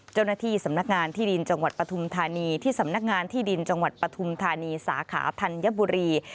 เจ้าหน้าที่สำนักงานที่ดินจังหวัดปฐุมธานีที่สำนักงานที่ดินจังหวัดปฐุมธานีสาขาธัญบุรี